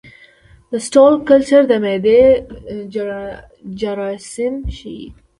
د سټول کلچر د معدې جراثیم ښيي.